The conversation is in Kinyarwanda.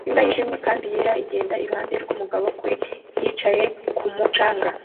Imbwa yijimye kandi yera igenda iruhande rwumugabo kuri yicaye kumu canga